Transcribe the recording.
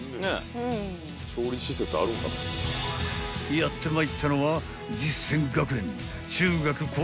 ［やってまいったのは］